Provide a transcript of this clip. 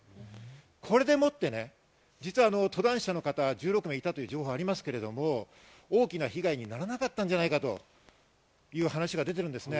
これでもって、登山者の方、１６名いたという情報がありますけど、大きな被害にならなかったんじゃないかという話が出ているんです。